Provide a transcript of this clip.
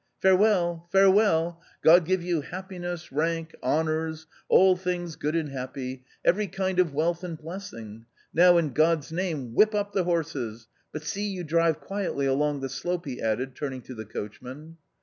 Farewell, farewell ! God give you happiness, rank, honours, all things good and happy, every kind of wealth and blessing ! Now, in God's name, whip up the horses, but see you drive quietly along the slope !'' he added turning to the coachman.